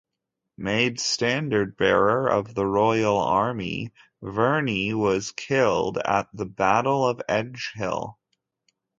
Made standard-bearer of the royal army, Verney was killed at the Battle of Edgehill.